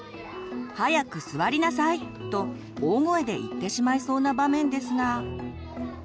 「早く座りなさい！」と大声で言ってしまいそうな場面ですが。